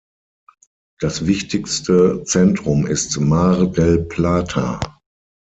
Das wichtigste Zentrum ist Mar del Plata.